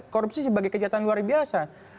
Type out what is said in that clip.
korupsi sebagai kejahatan luar biasa